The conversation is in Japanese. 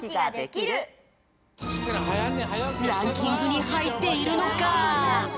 ランキングにはいっているのか？